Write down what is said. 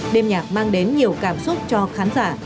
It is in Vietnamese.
đêm nhạc mang đến nhiều cảm xúc cho khán giả